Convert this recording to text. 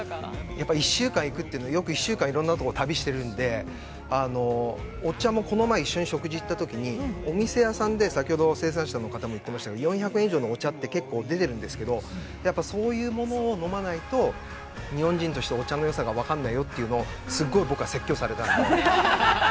◆やっぱり１週間行くという、よく１週間いろんなところを旅しているので、お茶も、この前、一緒に食事に行ったときに、お店屋さんで、先ほど生産者の方も言っていましたけど、４００円以上のお茶は出ているんですけれども、やっぱり、そういうものを飲まないと、日本人として、お茶のよさが分からないよというのを細かい説教されたんで。